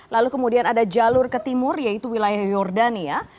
lalu kemudian ada jalur ke timur yaitu wilayah jordania